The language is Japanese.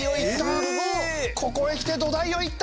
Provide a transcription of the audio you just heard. ここへきて土台をいった！